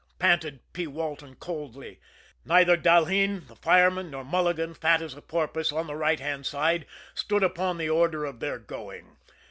panted P. Walton coldly. Neither Dalheen, the fireman, nor Mulligan, fat as a porpoise, on the right hand side, stood upon the order of their going.